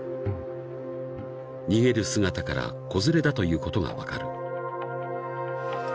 ［逃げる姿から子連れだということが分かる］